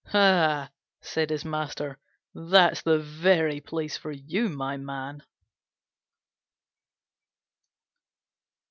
"Aha," said his master, "that's the very place for you, my man!"